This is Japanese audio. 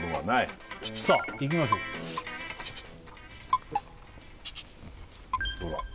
さあいきましょうどうだ？